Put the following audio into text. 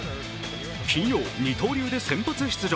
金曜、二刀流で先発出場。